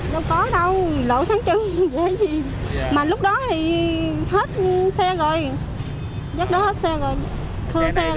không có đâu lộ sáng chân vậy hay gì mà lúc đó thì hết xe rồi giấc đó hết xe rồi thua xe rồi